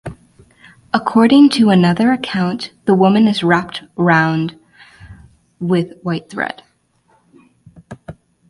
According to another account, the woman is wrapped round with white thread.